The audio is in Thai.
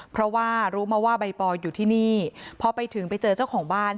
เพราะว่ารู้มาว่าใบปออยู่ที่นี่พอไปถึงไปเจอเจ้าของบ้าน